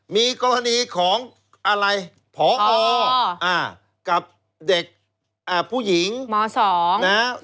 มีกรณีของอะไรพอกับเด็กผู้หญิงม๒นะฮะ